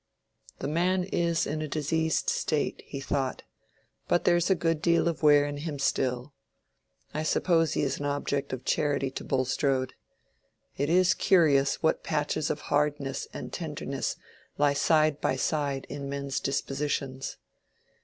"The man is in a diseased state," he thought, "but there's a good deal of wear in him still. I suppose he is an object of charity to Bulstrode. It is curious what patches of hardness and tenderness lie side by side in men's dispositions.